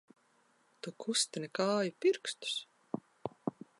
Tu kustini kāju pirkstus!